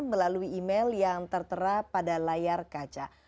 melalui email yang tertera pada layar kaca